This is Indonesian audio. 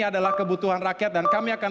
adalah kebutuhan rakyat dan kami akan